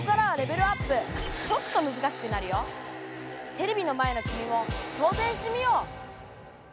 テレビの前のきみも挑戦してみよう！